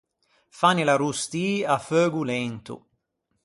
Fannila rostî à feugo lento.